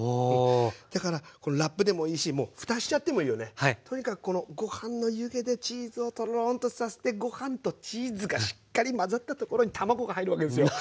だからラップでもいいしもうふたしちゃってもいいよね。とにかくこのご飯の湯気でチーズをトロンとさせてご飯とチーズがしっかり混ざったところに卵が入るわけですよ！